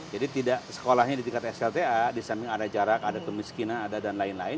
jadi tidak sekolahnya di tingkat slta di samping ada jarak ada kemiskinan ada dan lain lain